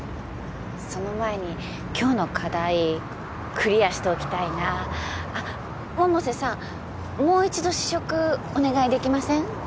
その前に今日の課題クリアしておきたいなあっ百瀬さんもう一度試食お願いできません？